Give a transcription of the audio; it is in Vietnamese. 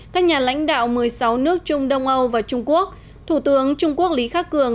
các nhà lãnh đạo một mươi sáu nước trung đông âu và trung quốc thủ tướng trung quốc lý khắc cường